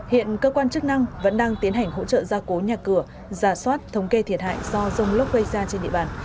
hiện cơ quan chức năng vẫn đang tiến hành hỗ trợ gia cố nhà cửa giả soát thống kê thiệt hại do rông lốc gây ra trên địa bàn